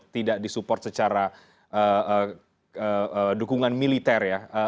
tidak disupport secara dukungan militer ya